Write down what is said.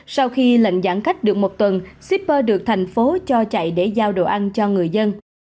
sau khi lệnh giãn cách được một tuần shipper được thành phố cho chạy để giao đồ ăn cho người dân